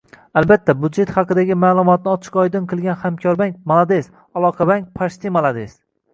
Albatta, byudjet haqidagi ma'lumotni ociq ojdin qilgan Hamkorʙank malades, Aloqaʙank pocti malades!